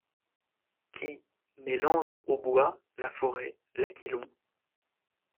Qui, mêlant le hautbois, la forêt, l'aquilon, .